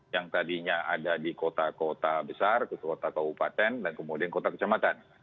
yang tadinya ada di kota kota besar kota kabupaten dan kemudian kota kecamatan